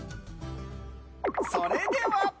それでは。